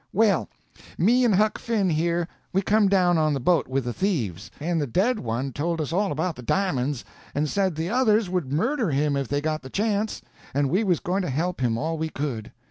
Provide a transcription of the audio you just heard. "Well, me and Huck Finn here, we come down on the boat with the thieves, and the dead one told us all about the di'monds, and said the others would murder him if they got the chance; and we was going to help him all we could.